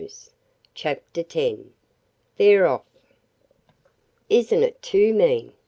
CHAPTER X "THEY'RE OFF!" "Isn't it too mean?